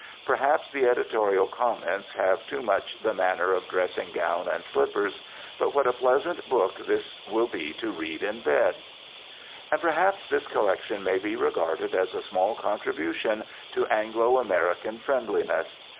Perhaps the editorial comments have too much the manner of dressing gown and slippers; but what a pleasant book this will be to read in bed! And perhaps this collection may be regarded as a small contribution to Anglo American friendliness.